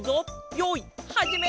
よいはじめ！